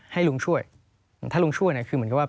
ให้ลุงช่วยถ้าลุงช่วยเนี่ยคือเหมือนกับว่า